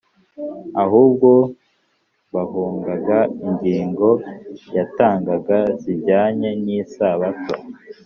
. Ahubwo bahungaga ingingo yatangaga zijyanye n’Isabato